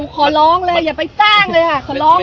ขอร้องเลยอย่าไปสร้างเลยค่ะ